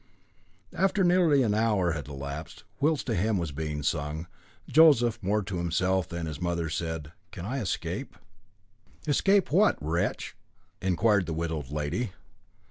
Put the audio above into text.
After nearly an hour had elapsed, whilst a hymn was being sung, Joseph, more to himself than to his mother, said: "Can I escape?" "Escape what? Wretch?" inquired the widowed lady.